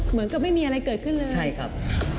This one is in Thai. เหมือนกับไม่มีอะไรเกิดขึ้นเลยใช่ครับ